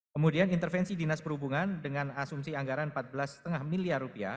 kemudian intervensi dinas perhubungan dengan asumsi anggaran rp empat belas lima miliar